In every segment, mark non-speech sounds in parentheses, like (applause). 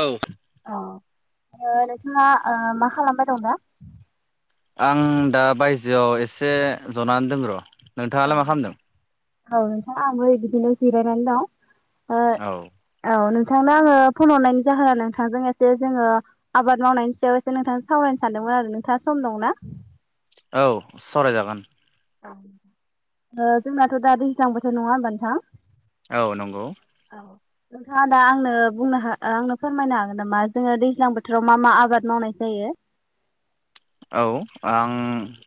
औ। औ ओ नोंथाङा मा खालामबाय दं दा? आं दा बायजोआव एसे जनानै दों र'। नोंथाङालाय मा खालामदों? औ नोंथां आं बिदिनो जिरायानानै दं। ओ औ औ। नोंथांनो आङो फन हरनायनि जाहोना नोंथांजों एसे जोङो आबाद मावनायनि सायाव एसे नोंथां सावरायनो सानदोंमोन आरो नोंथाङा सम दंना। औ सरायजागोन। जोंनाथ' दा दैज्लां बोथोर नङा होमबा नोंथां। औ नंगौ। बोथोर नोंथाङा दा आंनो बुंनो हा आंनो फोरमायनो हागोन नामा जोङो दैज्लां बोथोराव मा मा आबाद मावनाय जायो औ आं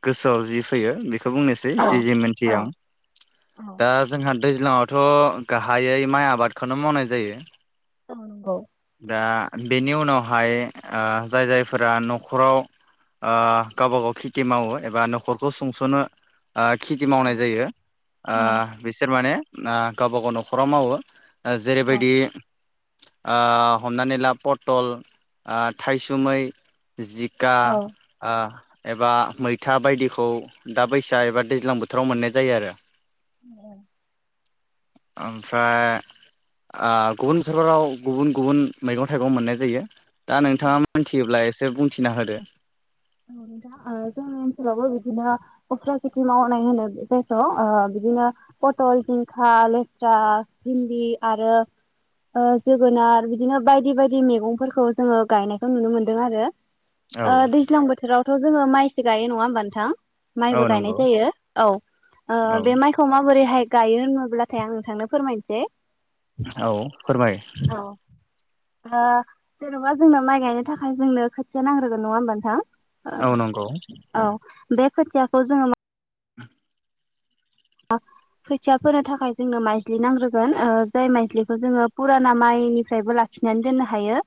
गोसोआव जि फैयो बेखौ खौ बुंनोसै सि जि मोनथियो आं दा जोंहा दैज्लाङावथ' गाहायै माइ आबादखौनो मावनाय जायो औ नंगौ दा बेनि उनावहाय जाय जायफोरा न'खराव गावबा गाव खेथि मावो एबा न'खरखौ सुंस'नो ओ खेथि मावनाय जायो ओ बिसोर माने ना गावबा गाव न'खराव मावो जेरैबायदि ओ हमनानै ला पटल ओ थायसुमै जिखा ओ एबा मैथा बायदिखौ दा बैस एबा दैज्लां बोथोराव मोननाय जायो आरो औ ओमफ्राय ओ गुबुन सरखाराव गुबुन गुबुन मैगं थाइगं मोननाय जायो दा नोंथाङा मिथियोब्ला एसे बुंथिना होदो औ दा जोंनि ओनसोलावबो बिदिनो उस्रा खेथि मावनाय होनो जायखौ' बिदिनो पथल जिंखा लेस्रा भिन्दि आरो जोगोनार बिदिनो बायदि बायदि मैगंफोरखौ जोङो गायनायखौ नुनो मोनदों आरो औ ओ दैज्लां बो आवथ जोङो माइसो गायो नङा होमबा नथां औ माइबो गायनाय नंगौ जायो औ ओ औ बे माइखौ माबोरैहाय गायो होनोब्लाथाय आं नोंथांनो फोरमायनोसै औ फोरमाय औ ओ जेन'बा जोंनो माइ गायनो थाखाय जोंनो खोथिया नांग्रोगोन नङा होमबा नोंथां औ नंगौ अ औ बे खोथियाखौ जोङो मा (unintelligible) खोथिया फोनो थाखाय जोंनो माइज्लि नांग्रोगोन जाय माइजलिखौ जोङो फुराना माइनिफ्रायबो लाखिनानै दोननो हायो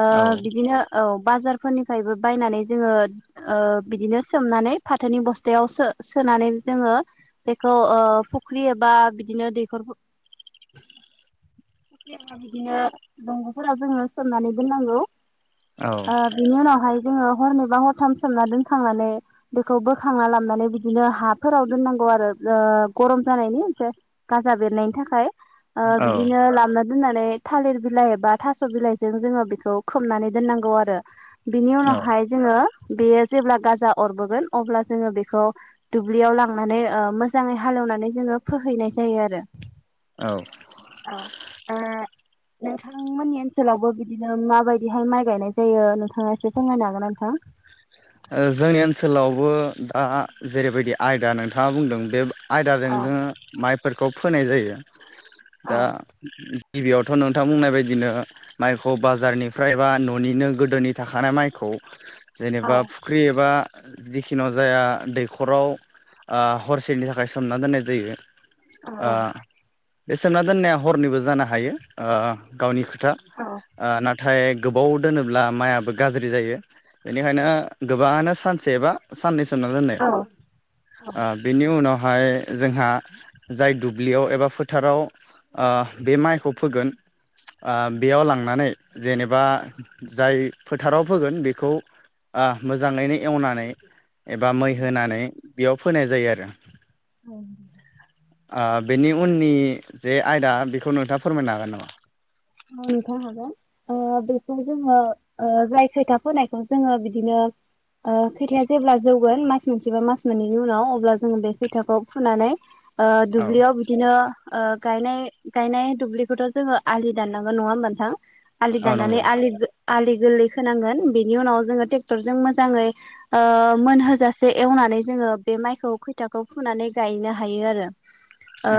ओ औ बिदिनो औ बाजारफोरनिफ्रायबो बायनानै जोङो ओ बिदिनो सोमनानै फाथोनि बस्थायाव सो सोनानै जोङो खौ ओ फुख्रि एबा बिदिनो दैखर फख्रि एबा बिदिनो दंग'फोरा जोङो सोमनानै दोननांगौ आ औ बिनि उनावहाय जोङो हरनैबा हरथाम सोमना दोनखांनानै बेखौ बोखांना लाबनानै बिदिनो हाफोराव दोननांगौ आरो ओ गरम जानायनि ओमफाय गाजा बेरनायनि थाखाय ओ बिदिनो लामला दोननानै माने थालिर बिलाइ एबा थास' बिलाइजों जोङो बेखौ खोबनानै दोननांगौ आरो बिनि औ उनावहाय जोङो बेयो जेब्ला गाजा अरबोगोन अब्ला जोङो बेखौ दुब्लियाव लांनानै ओ मोजाङै हालेवनानै जोङो फोहैनाय जायो आरो औ नोंथांमोननि ओनसोलावबो बिदिनो माबायदिहाय माइ गायनाय जायो नोंथाङा एसे फोरमायनो हागोन ना नोंथां ओ जोंनि ओनसोलावबो दा जेरैबायदि आयदा नोंथाङा बुंदों बे आयदाजों जोङो माइ फोरखौ फोनाय जायो दा गिबियावथ' नोंथां बुंनाय बदिनो माइखौ बाजारनिफ्राय बा न'निनो गोदोनि थाखानाय माइखौ जेनेबा एबा जिखिुनु जाया दैखराव ओ हरसेनि थाखाय सोमना दोननाय जायो आ बे सोमना दोननाया हरनैबो जानो हायो गावनि खोथा था आ ना नाथाय गोबाव दोनोब्ला माइयाबो गाज्रि जायो बेनिखायनो गोबाङानो सानसे एबा साननैसो सोमना दोनो आ बेनि उनाव माय जोंहा जाय दुब्लियाव एबा फोथाराव आं बे माइखौ फोगोन आ बेयाव लांनानै जेनेबा जाय फोथाराव फोगोन बेखौ आ मोजाङैनो एवनानै एबा मै होनानै बेयाव फोनाय जायो आरो औ आं बेनि उननि जे आयदा बेखौ नोंथाङा फोरमायनो हागोन नामा औ नोंथां हागोन ओ बेखौ जोङो ओ जाय खैथिया फोनायखौ जोङो ओ बिदिनो खैथिया जेब्ला जौगोन मास मोनसे बा मास मोननैनि उनाव अब्ला जोङो बे खैथियाखौ फुनानै ओ औ दुब्लियाव बिदिनो ओ गाय गायनाय दुब्लिखौथ' जोङो आलि दाननांगोन नङा होनबा नोंथां आलि औ दाननानै नंगौ आलि जो आलि गोरलै खोनांगोन बेनि उनाव जोङो ट्रेक्टरजों मोजाङै ओ मोनहोजासे एवनानै जोङो बे माइखौ खैथियाखौ फुनानै गायनो हायो आरो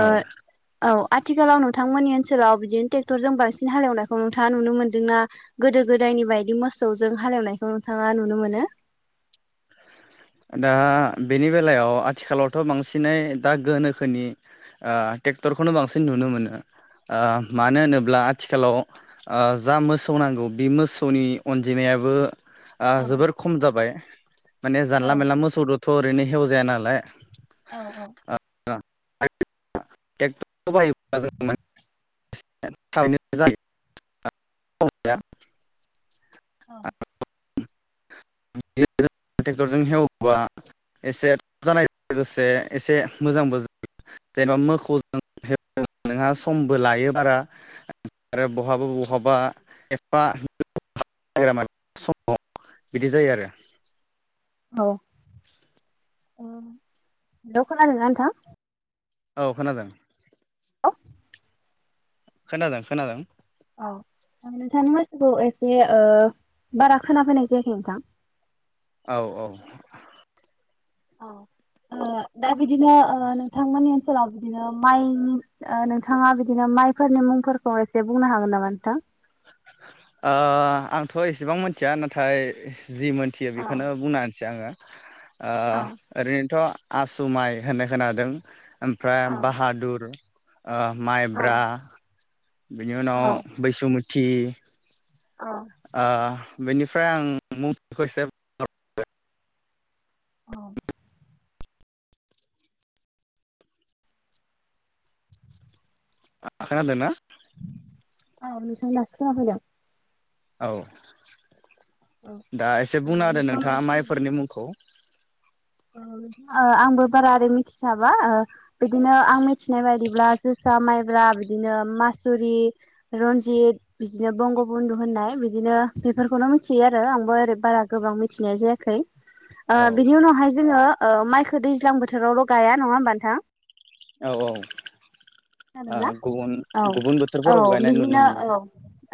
औ औ आथिखालाव नोंथांमोननि ओनसोलाव बिदिनोे ट्रेक्टरजों बांसिन हालेवनायखौ नोंथाङा नुनो मोनदोंना गोदो गोदायनि बायदि मोसौजों हालेवनायखौ नोंथाङा नुनो मोनो दा बेनि बेलायाव आथिखालावथ' बांसिनै दा गोनोखोनि ओ ट्रेक्टरखौनो बांसिन नुनो मोनो मानो ओ मानो होनोब्ला आथिखालाव जा मोसौ नांगौ बे मोसौनि अनजिमायाबो ओ जोबोर खम जाबाय माने जानला मानला मोसौ थ' ओरैनो हेवजाया नालाय टर बायो (unintelligible) औ ट्रेक्टरजों हेवोबा एसे थ जानाय लोगोसे एसे मोजांबो जायो जेनेबा मोसौजोंव नोंहा समबो लायो बारा आरो बहाबा बहाबा एफाग म समाव (unintelligible) बिदि जायो आरो औ ओ न (unintelligible) ङा नन्थां औ खोनादों (unintelligible) खोनादों खोनादों औ नोंथांनि माथोखौ एसे बारा खोनाफैनाय जायाखै नोंथां औ औ औ ओ दा बिदिनो ओ नोंथां मोननि ओनसोलाव बिदिनो माइनि नोंथाङा बिदिनो माइफोरनि मुंफोरखौ एसे बुंनो हागोन नामा नोंथां ओ आंथ' एसेबां मिथिया नाथाय जि मोनथियो बेखौनो बुंना होनोसै आङो (inaudible) ओ ओरैनोथ' आसु माइ होननो खोनादों ओमफ्राय बाहादुर ओ माइब्रा बिनि उनाव बैसुमुथि थि ओ बेनिफ्राय आं मथिखौ एसे (unintelligible) औ खोना दोंना औ नोंथां दासो खोनाफैदों औ दा एसे बुंना होदों नोंथाङा माइफोरनि मुंखौ आंबो बारा आरोओरै मिथिखाबा बिदिनो आं मिथिनाय बायदिब्ला जोसा माइब्रा बिदिनो मासुरि रन्जित बिदिनो बंगबन्धु होननाय बिदिनो बेफोरखौनो मिथियो आरो आंबो ओरै बारा गोबां मिथिनाय जायाखै ओ औ बिनि उनाव हाय जोङो माइखौ दैज्लां बोथोरावल' गाया नङा होमबा नोंथां औ औ ओ खादोंना गुबुन औ गुबुन औ बोथोरफोराव गायनाय नुनो बिदिनो मोनो औ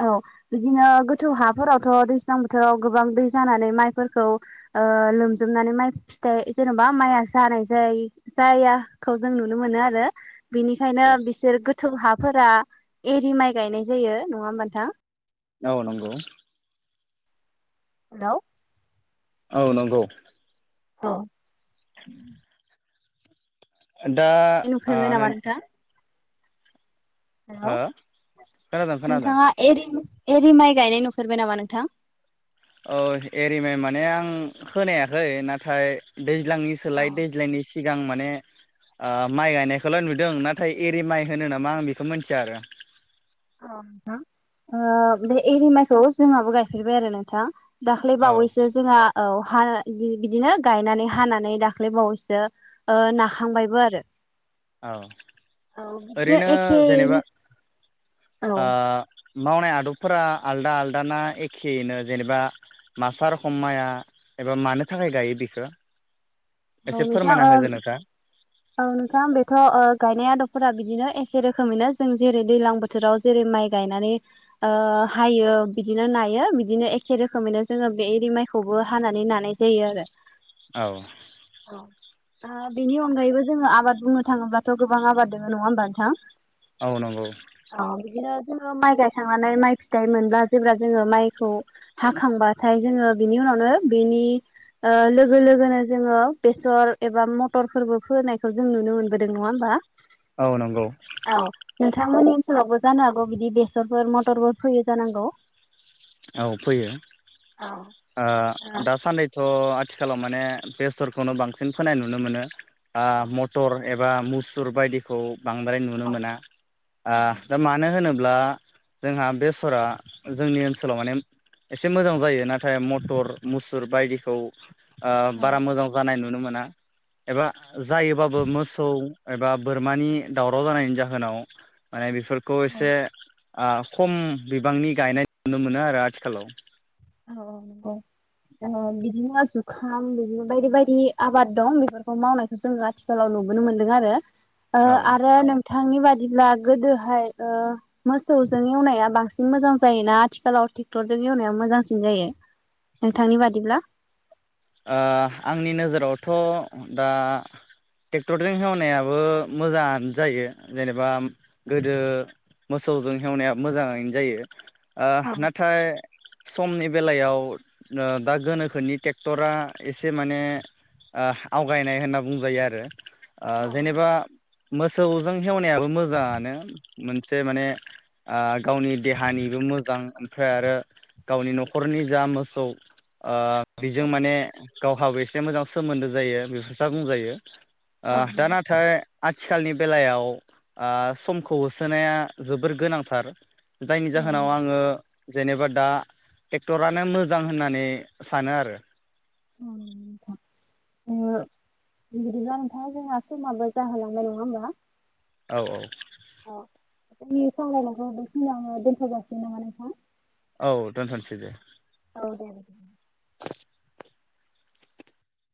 औ बिदिनो गोथौ हाफोरावथ' दैज्लां बोथोराव गोबां दै जानानै माइफोरखौ लोमजोबनानै माइ फिथाइ जेन'बा माइआ जानाय जाय जायाखौ जों नुनो मोनो आरो बेनिखायनो गोथौ हाफोरा एरि माइ गायनाय जायो नङा होम नोंथां औ नंगौ हेल' औ नंगौ औ दा आ नुफेरबाय हेलौ खोनादों खोनादों नोंथाङा एरै एरि माइ गायनाय नुफेरबाय नामा नोंथां औ एरिमाइ माने आं खोनायाखै नाथाय दैज्लांनि सोलाय दैज्लांनि सिगां माने माइ ओ गायनायखौल' नुदों नाथाय एरि माइ होनो नामा आं बेखौ मिथिया आरो अ नोंथां ओ बे एरि माइखौ जोंहाबो गायफेरबाय आरो नोंथां दाख्लै औ बावैसो जोंहा औ हा बिदिनो गायनानै हानानै दाख्लै बावैसो ओ नाखांबायबो आरो औ औ बिदिनो ओरैनो जेनेबा एखेयैनो ओ औ मावनाय आदबफोरा आलदा आलदा ना एखेयैनो जेनेबा मास्टार हमनाया एबा मानो थाखाय गायो बेखो औ नोंथां ओ औ नोंथां बे थ' ओ गायनाय आदबफोरा बिदिनो एखे रोखोमैनो जों जेरै दैलां बोथोराव जेरै माइ गायनानै ओ हायो बिदिनो नायो बिदिनो एखे रोखोमैनो जोङो बे एरि माइखौबो हानानै नानाय जायो आरो औ औ ओ बेनि अनगायैबो जोङो आबाद बुंनो थाङोब्लाथ' गोबां आबाद दोङ नङा होमबा नोंथां औ नंगौ औ बिदिनो जोङो माइ गायखांनानै माइ फिथाइ मोनब्ला जेब्ला जोङो माइखौ हाखांबाथाय जोङो बिनि उनावनो बिनि ओ लोगो लोगोनो जोङो बेसर एबा मटरफोरबो फोनायखौ जों नुनो मोनबोदों नङा होमबा औ नंगौ नोंथांमोननि ओनसोलावबो जानो हागौ बिदि बेसरफोर मथरफोर फैयो जानांगौ औ फैयो ओ दासान्नैथ' आथ आथिखालाव माने बेसरखौनो बांसिन फोनाय नुनो मोनो आ मटर एबा मुसुर बायदिखौ बांद्राय नुनो मोना आ दा मानो होनो ब्ला जोंहा बेसरा जोंनि ओनसो सोलाव माने एसे मोजां जायो नाथाय मटर मुसुर बायदिखौ ओ बारा मोजां जानाय नु नुनो मोना एबा जायोबाबो मौसौ एबा बोरमानि दावराव जानायनि जोहोनाव माने बि फोरखौ एसे ओ खम बिबांनि गायनाय नुनो मोनो आरो आथिखालाव औ औ नंगौ जेन बिदिनो जुखाम बिदि बायदि बायदि आबाद दं बेफोरखौ मावनायखौ जोङो आथिखालाव नुबोनो मोनदों आरो ओ औ ओ आरो नोंथा थांनि बादिब्ला गोदोहाय ओ मोसौजों एवनाया बांस (unintelligible) मोजां जायोना आथिखालाव थेक्टरजों एवनाया मोजां स सिन जायो नोंथांनि बादिब्ला ओ आंनि नोजोरावथ' दा थेक्टरजों हेवनायाबो मोजाङानो जायो जेनेबा म गोदो मोसौजों हेवनायाबो मोजाङैनो जायो ओ नाथाय समनि बेलायाव ओ दा गोनोखोनि टेक टरा एसे माने ओह आवगायनाय होनना बुंजायो आरो ओ जेनेबा मोसौजों हेवनायाबो मोजाङानो मोनसे माने आ गावनि देहानिबो मोजां ओमफ्राय आरो गावनि न'खरनि जा मोसौ ओ बेजों माने गावहाबो एसे मोजां सोमोन्दो जायो बेफोरसा बुंजायो ओ दा नाथाय आथिखालनि बेलायाव आ समखौ होसोनाया जोबोर गोनांथार जायनि औ जाहोनाव नंगौ आङो जेनेबा दा थेक्टरानो मोजां होननानै स सानो आरो औ दे बिदिब्ला नोंथां जोंहा समाबो जाहोलांनाय नङा होमबा औ -औ नि सावरायनायखौ बे खिनिआवनो दोनथ' जासिगोन नामा नोंथां? औ दोनथ'नोसै दे औ देे